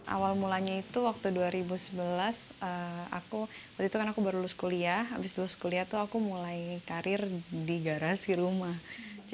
awal karirnya dimulai di garasi rumahnya